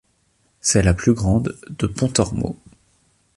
C'est la plus grande de Pontormo.